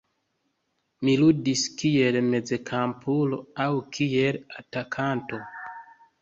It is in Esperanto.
Li ludis kiel mezkampulo aŭ kiel atakanto.